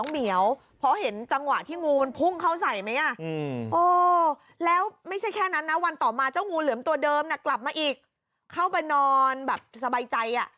ไม่แค่นั้นนะวันต่อมาเจ้งูเหลือมตัวเดิมกลับมาอีกเข้าไปนอนแบบสบายใจ